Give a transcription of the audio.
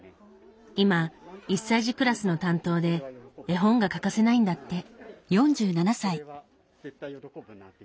今１歳児クラスの担当で絵本が欠かせないんだって。